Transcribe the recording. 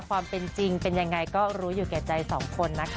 ความเป็นจริงเป็นยังไงก็รู้อยู่แก่ใจสองคนนะคะ